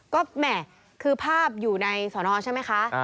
ก็แหม่คือภาพอยู่ในสอนอใช่ไหมคะ